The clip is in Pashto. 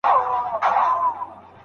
د هوتکو تاریخ لا هم بشپړ څېړل شوی نه دی.